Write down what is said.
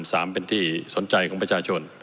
สามเป็นที่สนใจของประชาชน